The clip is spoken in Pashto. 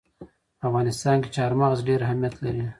په افغانستان کې چار مغز ډېر اهمیت لري.